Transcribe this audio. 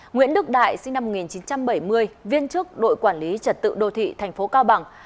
nguyễn đức đại sinh năm một nghìn chín trăm bảy mươi viên chức đội quản lý trật tự đô thị thành phố cao bằng